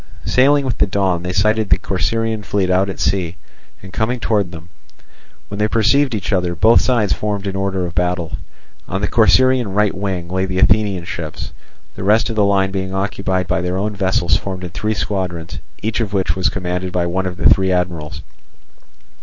Sailing with the dawn, they sighted the Corcyraean fleet out at sea and coming towards them. When they perceived each other, both sides formed in order of battle. On the Corcyraean right wing lay the Athenian ships, the rest of the line being occupied by their own vessels formed in three squadrons, each of which was commanded by one of the three admirals.